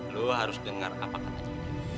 lo harus dengar apa katanya